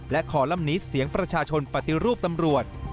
และขอลำนี้เสียงประชาชนปฏิรูปตำรวจ